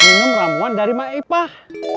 minum ramuan dari maipah